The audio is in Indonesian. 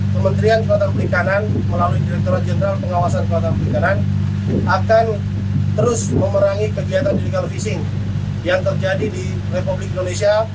kementerian kelautan perikanan melalui direkturat jenderal pengawasan kelautan perikanan akan terus memerangi kegiatan illegal fishing yang terjadi di republik indonesia